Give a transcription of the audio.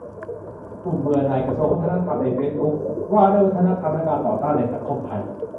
"กลุ่มเบื่อหน่ายกระทรวงวัฒนธรรมในเฟซบุ๊ก : ว่าด้วยวัฒนธรรมและการต่อต้านในสังคมไทย"